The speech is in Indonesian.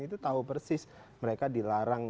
itu tahu persis mereka dilarang